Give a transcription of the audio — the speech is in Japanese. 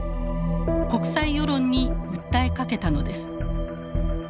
国際世論に訴えかけたのです。